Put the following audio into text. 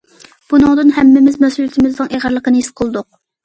بۇنىڭدىن ھەممىمىز مەسئۇلىيىتىمىزنىڭ ئېغىرلىقىنى ھېس قىلدۇق.